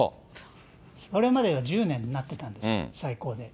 それまでは１０年になってたんです、最高で。